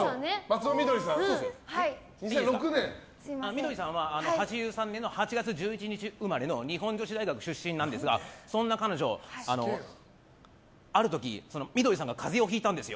翠さんは８３年８月１１日生まれの日本女子大学出身なんですがそんな彼女、ある時翠さんが風邪をひいたんですよ。